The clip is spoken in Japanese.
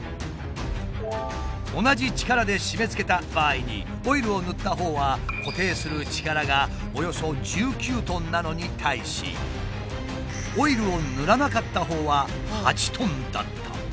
同じ力で締めつけた場合にオイルを塗ったほうは固定する力がおよそ１９ｔなのに対しオイルを塗らなかったほうは８ｔだった。